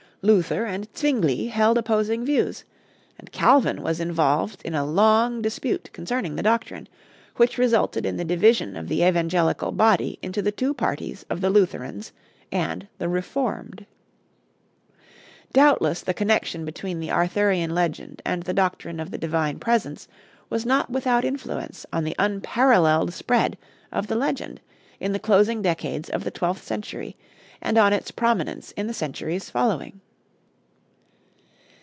Luther and Zwingli held opposing views, and Calvin was involved in a long dispute concerning the doctrine, which resulted in the division of the evangelical body into the two parties of the Lutherans and the Reformed. Doubtless the connection between the Arthurian legend and the doctrine of the Divine Presence was not without influence on the unparalleled spread of the legend in the closing decades of the twelfth century, and on its prominence in the centuries following.